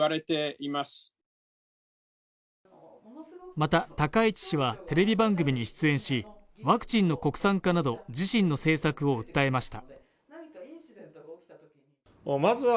また高市氏はテレビ番組に出演しワクチンの国産化など自身の政策を訴えました。